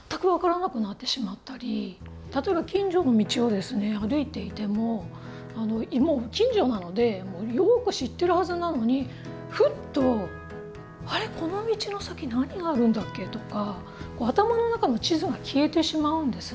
例えば近所の道を歩いていてももう近所なのでよく知ってるはずなのにふっと「あれこの道の先何があるんだっけ？」とか頭の中の地図が消えてしまうんですね。